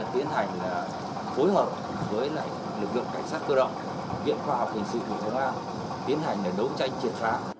tiến hành phối hợp với lực lượng cảnh sát cơ động viện khoa học hình sự tiến hành đấu tranh triển phá